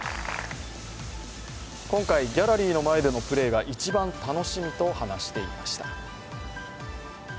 今回、ギャラリーの前でのプレーが一番楽しみと話していました。